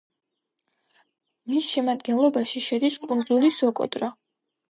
მის შემადგენლობაში შედის კუნძული სოკოტრა.